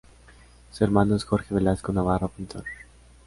Su hermano es Jorge Velasco Navarro, pintor.